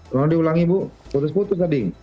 tolong diulangi bu putus putus tadi